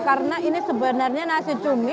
karena ini sebenarnya nasi cumi